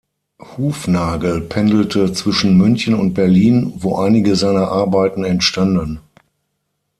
Hufnagel pendelte zwischen München und Berlin, wo einige seiner Arbeiten entstanden.